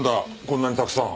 こんなにたくさん。